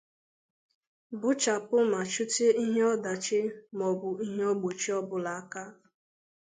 buchàpụ ma chụtèé ihe ọdachi maọbụ ihe ogbochi ọbụla aka